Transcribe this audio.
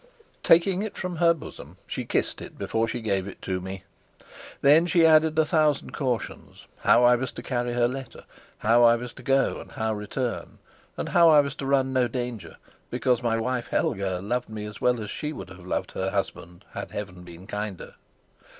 Taking it from her bosom, she kissed it before she gave it to me. Then she added a thousand cautions, how I was to carry her letter, how I was to go and how return, and how I was to run no danger, because my wife Helga loved me as well as she would have loved her husband had Heaven been kinder.